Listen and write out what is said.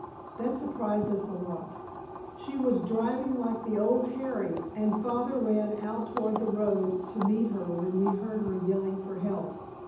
That surprised us a lot. She was driving like the old Harry, and Father ran out toward the road to meet her when we heard her yelling for help.